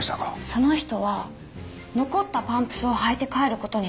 その人は残ったパンプスを履いて帰る事になります。